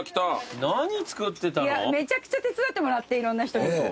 めちゃくちゃ手伝ってもらっていろんな人に。